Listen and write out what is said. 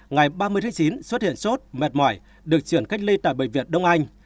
ngày ba mươi tháng chín xuất hiện sốt mệt mỏi được chuyển cách ly tại bệnh viện đông anh